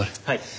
はい。